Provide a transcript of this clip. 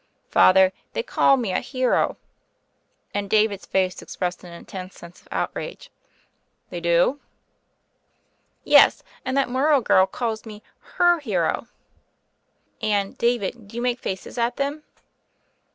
"Father, they call me a hero," and David's face expressed an intense sense of outrage. "They do?" 132 THE FAIRY OF THE SNOWS "Yes, and that Morrow girl calls me her hero." "And, David, do you make faces at them?"